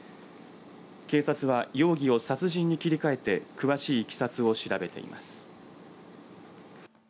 警察は、容疑を殺人に切り替えて詳しいいきさつを調べています。